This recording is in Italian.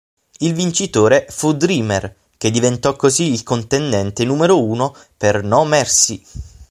Il vincitore fu Dreamer, che diventò così il contendente numero uno per No Mercy.